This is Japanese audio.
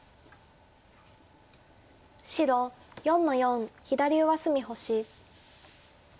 白４の四左上隅星。